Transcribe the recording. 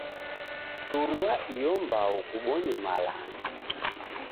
Turua iyo mbao kubonye malanga.